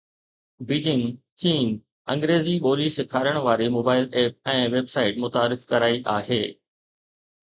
Beijing چين انگريزي ٻولي سيکارڻ واري موبائل ايپ ۽ ويب سائيٽ متعارف ڪرائي آهي